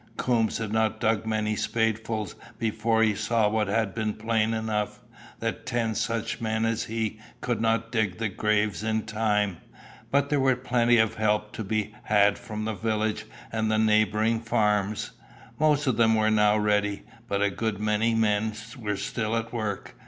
Coombes had not dug many spadefuls before he saw what had been plain enough that ten such men as he could not dig the graves in time. But there was plenty of help to be had from the village and the neighbouring farms. Most of them were now ready, but a good many men were still at work.